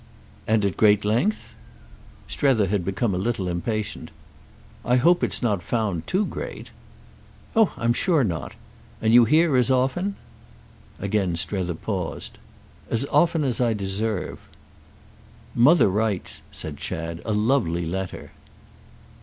"And at great length?" Strether had become a little impatient. "I hope it's not found too great." "Oh I'm sure not. And you hear as often?" Again Strether paused. "As often as I deserve." "Mother writes," said Chad, "a lovely letter."